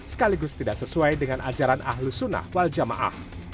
sekaligus tidak sesuai dengan ajaran ahlus sunnah wal jamaah